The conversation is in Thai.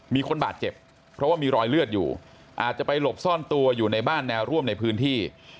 มีคนบาดเจ็บเพราะว่ามีรอยเลือดอยู่อาจจะไปหลบซ่อนตัวอยู่ในบ้านแนวร่วมในพื้นที่